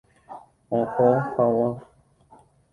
Oho hag̃ua.